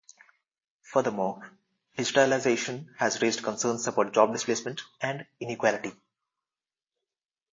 Furthermore, digitalization has raised concerns about job displacement and inequality.